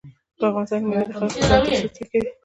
په افغانستان کې مېوې د خلکو د ژوند کیفیت تاثیر کوي.